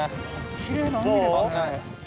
きれいな海ですね。